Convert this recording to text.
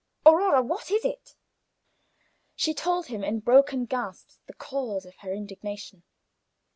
"Aurora, what is it?" She told him, in broken gasps, the cause of her indignation.